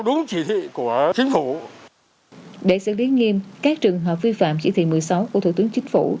để xử lý nghiêm các trường hợp vi phạm chỉ thị một mươi sáu của thủ tướng chính phủ